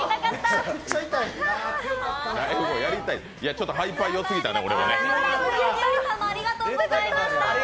ちょっと配パイよすぎたね。